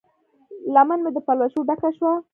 لمن مې د پلوشو ډکه شوه